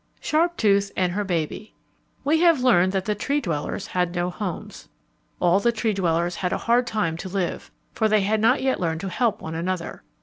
Sharptooth and Her Baby We have learned that the Tree dwellers had no homes. All the Tree dwellers had a hard time to live, for they had not yet learned to help one another.